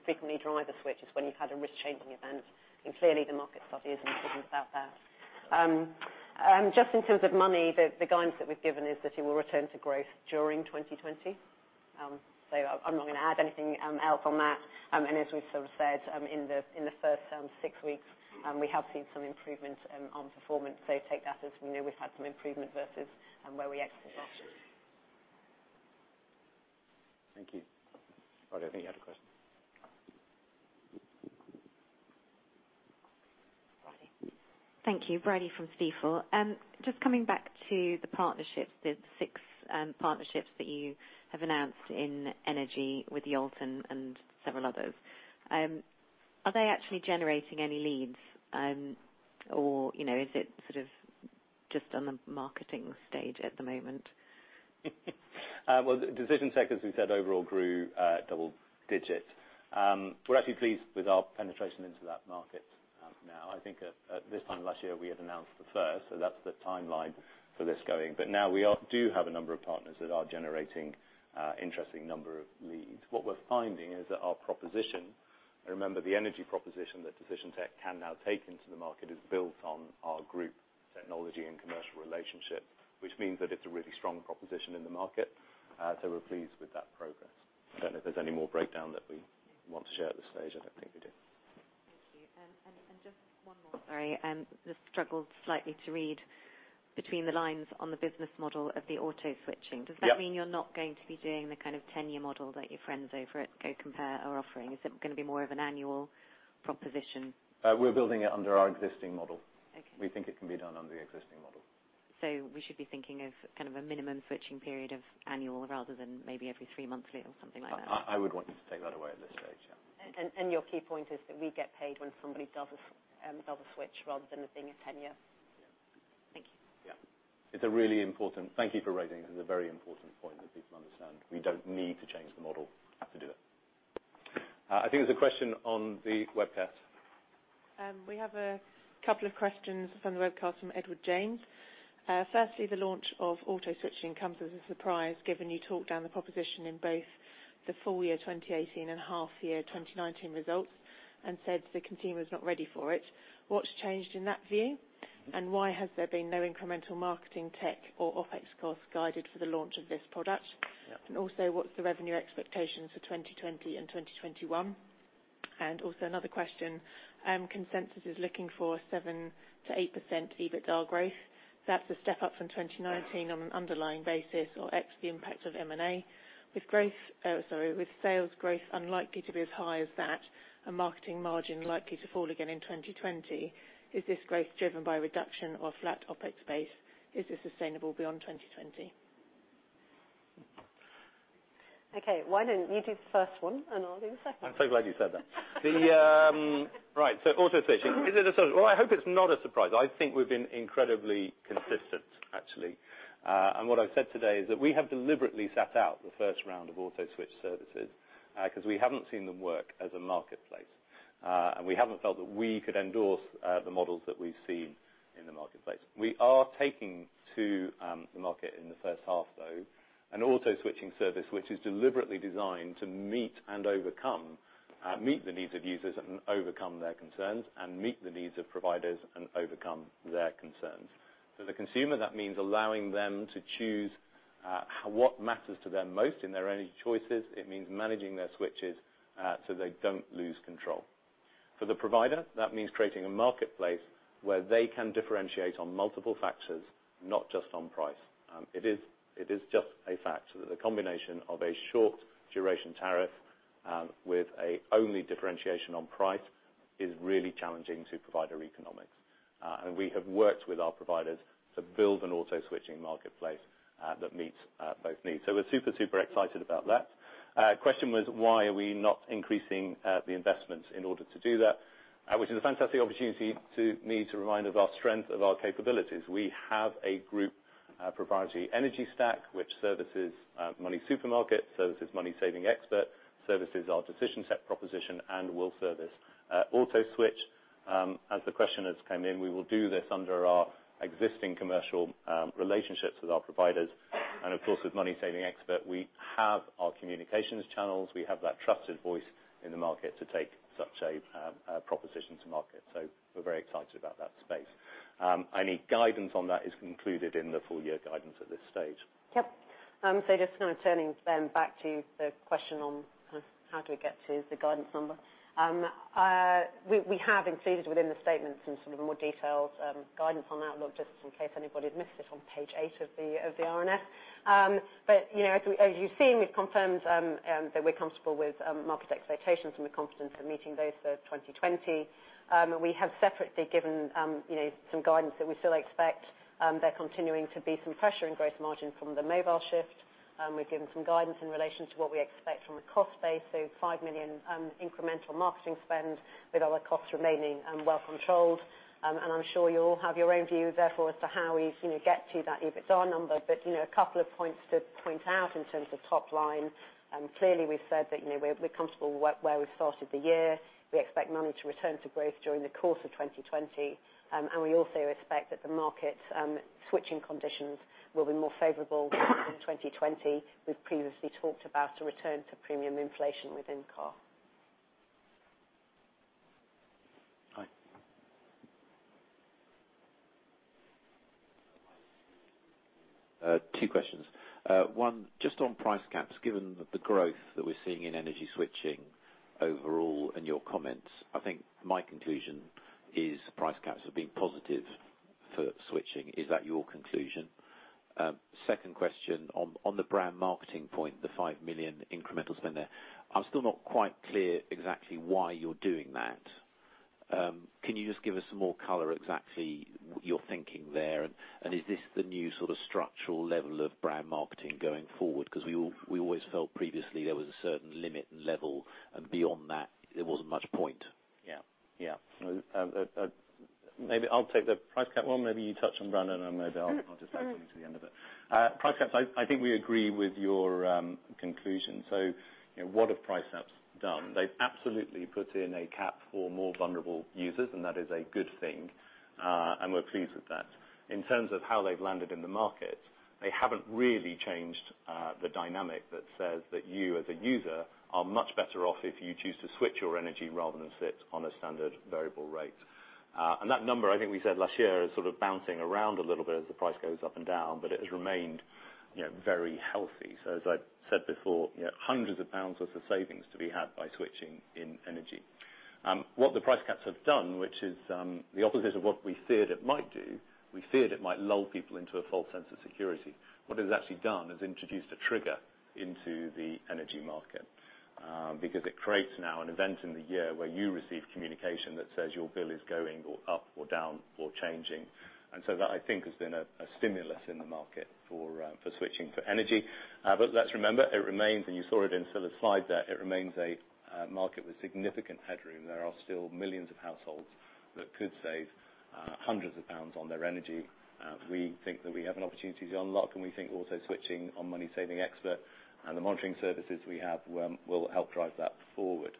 frequently drive the switch is when you've had a risk changing event. Clearly the market study isn't thinking about that. Just in terms of MONY Group, the guidance that we've given is that it will return to growth during 2020. I'm not going to add anything else on that. As we've said, in the first six weeks, we have seen some improvements on performance. Take that as we know we've had some improvement versus where we exited last year. Thank you. Bridie, I think you had a question. Bridie. Thank you. Bridie from Stifel. Coming back to the partnerships, the six partnerships that you have announced in energy with Yolt and several others. Are they actually generating any leads, or is it sort of just on the marketing stage at the moment? Decision Tech, as we said, overall grew double-digit. We're actually pleased with our penetration into that market now. I think at this time last year, we had announced the first, that's the timeline for this going. Now we do have a number of partners that are generating interesting number of leads. What we're finding is that our proposition, remember the energy proposition that Decision Tech can now take into the market is built on our group technology and commercial relationship. Which means that it's a really strong proposition in the market. We're pleased with that progress. I don't know if there's any more breakdown that we want to share at this stage. I don't think we do. Thank you. Just one more, sorry. Just struggled slightly to read between the lines on the business model of the auto switching. Yeah. Does that mean you're not going to be doing the kind of tenure model that your friends over at GoCompare are offering? Is it going to be more of an annual proposition? We're building it under our existing model. Okay. We think it can be done under the existing model. We should be thinking of kind of a minimum switching period of annual rather than maybe every three monthly or something like that. I would want you to take that away at this stage, yeah. Your key point is that we get paid when somebody does a switch rather than it being a tenure. Thank you. Yeah. Thank you for raising. This is a very important point that people understand. We don't need to change the model to do it. I think there's a question on the webcast. We have a couple of questions from the webcast from Edward James. Firstly, the launch of auto switching comes as a surprise, given you talked down the proposition in both the full year 2018 and half year 2019 results and said the consumer is not ready for it. What's changed in that view, and why has there been no incremental marketing tech or OpEx costs guided for the launch of this product? Yeah. What's the revenue expectations for 2020 and 2021? Another question. Consensus is looking for 7%-8% EBITDA growth. That's a step up from 2019 on an underlying basis or ex the impact of M&A. With sales growth unlikely to be as high as that, and marketing margin likely to fall again in 2020, is this growth driven by reduction or flat OpEx base? Is this sustainable beyond 2020? Okay. Why don't you do the first one, and I'll do the second one. I'm so glad you said that. Right. Auto switching. Well, I hope it's not a surprise. I think we've been incredibly consistent, actually. What I've said today is that we have deliberately sat out the first round of auto switch services, because we haven't seen them work as a marketplace. We haven't felt that we could endorse the models that we've seen in the marketplace. We are taking to the market in the first half, though, an auto switching service which is deliberately designed to meet the needs of users and overcome their concerns and meet the needs of providers and overcome their concerns. For the consumer, that means allowing them to choose what matters to them most in their energy choices. It means managing their switches so they don't lose control. For the provider, that means creating a marketplace where they can differentiate on multiple factors, not just on price. It is just a fact that the combination of a short duration tariff with a only differentiation on price is really challenging to provider economics. We have worked with our providers to build an auto switching marketplace that meets both needs. We're super excited about that. Question was why are we not increasing the investments in order to do that? Which is a fantastic opportunity to me to remind of our strength of our capabilities. We have a group proprietary energy stack, which services MoneySuperMarket, services MoneySavingExpert, services our Decision Tech proposition, and will service Auto Switch. As the question has come in, we will do this under our existing commercial relationships with our providers. Of course, with MoneySavingExpert, we have our communications channels. We have that trusted voice in the market to take such a proposition to market. We're very excited about that space. Any guidance on that is concluded in the full year guidance at this stage. Just kind of turning back to the question on how do we get to the guidance number. We have included within the statements and sort of more detailed guidance on outlook, just in case anybody missed it on page eight of the RNS. As you've seen, we've confirmed that we're comfortable with market expectations, and we're confident in meeting those for 2020. We have separately given some guidance that we still expect there continuing to be some pressure in growth margin from the mobile shift. We've given some guidance in relation to what we expect from a cost base, 5 million incremental marketing spend with our costs remaining well controlled. I'm sure you all have your own view, therefore, as to how you get to that EBITDA number. A couple of points to point out in terms of top line. Clearly, we've said that we're comfortable where we've started the year. We expect MONY to return to growth during the course of 2020. We also expect that the market switching conditions will be more favorable in 2020. We've previously talked about a return to premium inflation within car. Two questions. One, just on price caps, given the growth that we're seeing in energy switching overall and your comments, I think my conclusion is price caps have been positive for switching. Is that your conclusion? Second question, on the brand marketing point, the 5 million incremental spend there, I'm still not quite clear exactly why you're doing that. Can you just give us some more color exactly your thinking there, and is this the new sort of structural level of brand marketing going forward? We always felt previously there was a certain limit and level, and beyond that, there wasn't much point. Maybe I'll take the price cap one. Maybe you touch on brand, and then maybe I'll just add something to the end of it. Price caps, I think we agree with your conclusion. What have price caps done? They've absolutely put in a cap for more vulnerable users, and that is a good thing, and we're pleased with that. In terms of how they've landed in the market, they haven't really changed the dynamic that says that you, as a user, are much better off if you choose to switch your energy rather than sit on a standard variable rate. That number, I think we said last year, is sort of bouncing around a little bit as the price goes up and down, but it has remained very healthy. As I said before, hundreds of pounds worth of savings to be had by switching in energy. What the price caps have done, which is the opposite of what we feared it might do, we feared it might lull people into a false sense of security. What it's actually done is introduced a trigger into the energy market, because it creates now an event in the year where you receive communication that says your bill is going up or down or changing. That, I think, has been a stimulus in the market for switching for energy. Let's remember, it remains, and you saw it in Scilla' slide there, it remains a market with significant headroom. There are still millions of households that could save hundreds of GBP on their energy. We think that we have an opportunity to unlock, and we think also switching on MoneySavingExpert and the monitoring services we have will help drive that forward.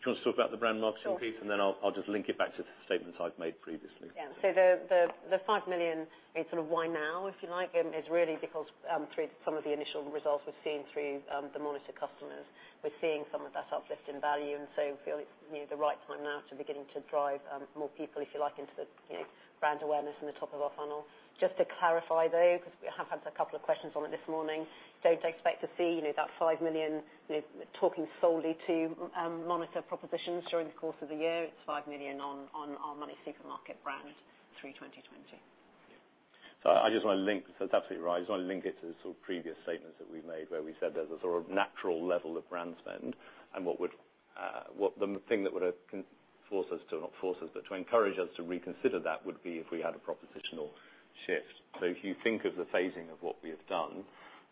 Do you want to talk about the brand marketing piece? Sure. I'll just link it back to the statements I've made previously. The 5 million, sort of why now, if you like, is really because through some of the initial results we're seeing through the monitored customers, we're seeing some of that uplift in value, we feel it's the right time now to beginning to drive more people, if you like, into the brand awareness in the top of our funnel. Just to clarify, though, because we have had a couple of questions on it this morning. Don't expect to see that 5 million talking solely to monitor propositions during the course of the year. It's 5 million on our MoneySuperMarket brand through 2020. Yeah. That's absolutely right. I just want to link it to the sort of previous statements that we've made where we said there's a sort of natural level of brand spend. The thing that would force us to, not force us, but to encourage us to reconsider that would be if we had a propositional shift. If you think of the phasing of what we have done,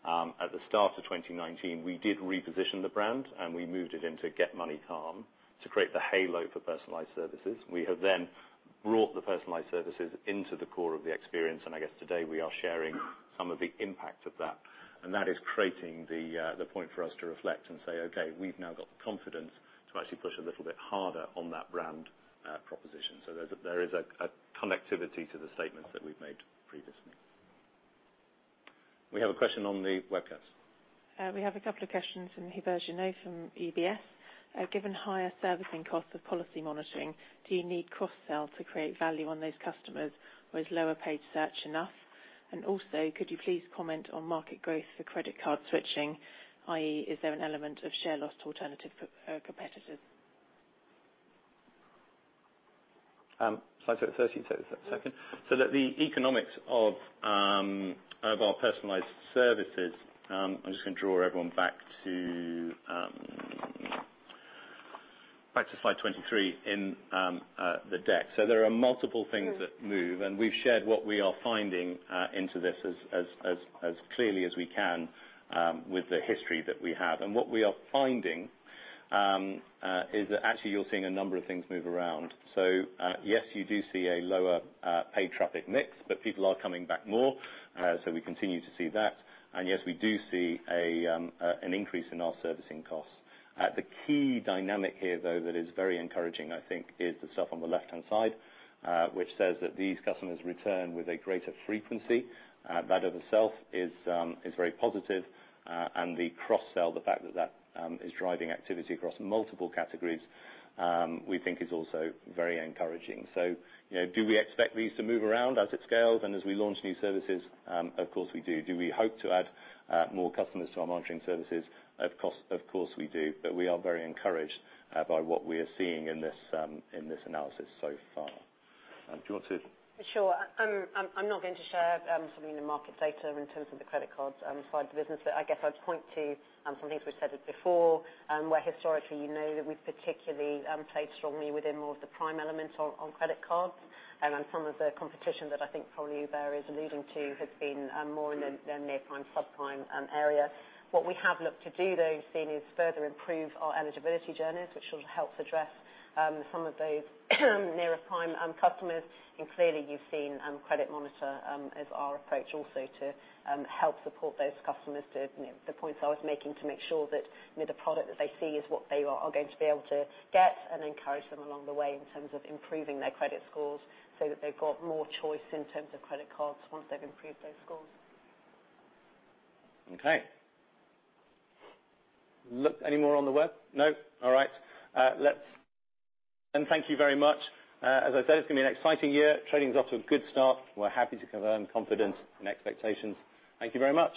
at the start of 2019, we did reposition the brand. We moved it into Get Money Calm to create the halo for personalized services. We have brought the personalized services into the core of the experience. I guess today we are sharing some of the impact of that. That is creating the point for us to reflect and say, "Okay, we've now got the confidence to actually push a little bit harder on that brand proposition." There is a connectivity to the statements that we've made previously. We have a question on the webcast. We have a couple of questions from Hubert Lam from BofA. Given higher servicing costs of policy monitoring, do you need cross-sell to create value on those customers, or is lower paid search enough? Also, could you please comment on market growth for credit card switching, i.e., is there an element of share loss to alternative competitors? Shall I take the first, you take the second? The economics of our personalized services, I'm just going to draw everyone back to slide 23 in the deck. There are multiple things that move, and we've shared what we are finding into this as clearly as we can with the history that we have. What we are finding is that actually you're seeing a number of things move around. Yes, you do see a lower paid traffic mix, but people are coming back more. We continue to see that. Yes, we do see an increase in our servicing costs. The key dynamic here, though, that is very encouraging, I think, is the stuff on the left-hand side, which says that these customers return with a greater frequency. That of itself is very positive, and the cross-sell, the fact that that is driving activity across multiple categories, we think is also very encouraging. Do we expect these to move around as it scales and as we launch new services? Of course, we do. Do we hope to add more customers to our monitoring services? Of course we do. We are very encouraged by what we are seeing in this analysis so far. Do you want to? Sure. I'm not going to share something in the market data in terms of the credit card side of the business, but I guess I'd point to some things we've said before, where historically you know that we've particularly played strongly within more of the prime element on credit cards. Some of the competition that I think probably Hubert is alluding to has been more in the near-prime, sub-prime area. What we have looked to do, though, you've seen, is further improve our eligibility journeys, which should help address some of those nearer-prime customers. Clearly you've seen Credit Monitor as our approach also to help support those customers to the points I was making to make sure that the product that they see is what they are going to be able to get and encourage them along the way in terms of improving their credit scores so that they've got more choice in terms of credit cards once they've improved those scores. Okay. Look any more on the web? No? All right. Thank you very much. As I said, it's going to be an exciting year. Trading's off to a good start. We're happy to confirm confidence and expectations. Thank you very much.